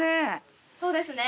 そうですね